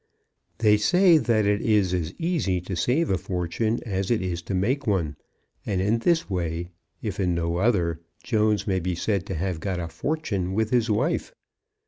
They say that it is as easy to save a fortune as to make one; and in this way, if in no other, Jones may be said to have got a fortune with his wife.